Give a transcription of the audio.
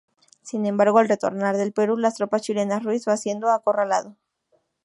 Sin embargo, al retornar del Perú las tropas chilenas Ruiz va siendo acorralado.